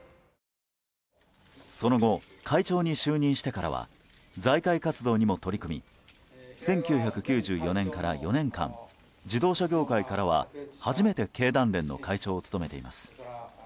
その後、会長に就任してからは財界活動にも取り組み１９９４年から４年間自動車業界からは初めて経団連の会長を務めています。